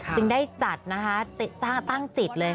จึงได้จัดนะคะจ้าตั้งจิตเลย